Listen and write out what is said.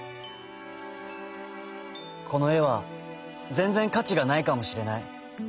「このえはぜんぜんかちがないかもしれない。